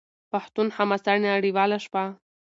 پښتون حماسه نړیواله شوه.